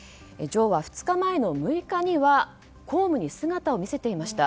女王は２日前の６日には公務に姿を見せていました。